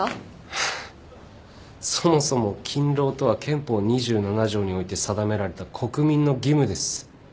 ハァそもそも勤労とは憲法２７条において定められた国民の義務です。